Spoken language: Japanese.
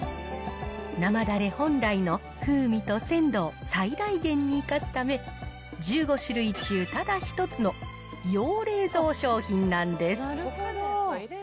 生だれ本来の風味と鮮度を最大限に生かすため、１５種類中ただ１つの要冷蔵商品なんです。